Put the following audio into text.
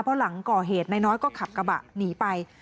เพราะหลังก่อเหตุนายน้อยก็ขับกระบะหนีไป